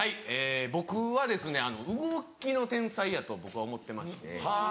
僕は動きの天才やと僕は思ってまして。